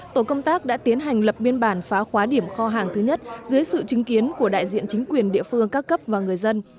tổ công tác đã tiến hành lập biên bản phá khóa điểm kho hàng thứ nhất dưới sự chứng kiến của đại diện chính quyền địa phương các cấp và người dân